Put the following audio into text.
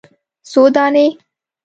_څو دانې ؟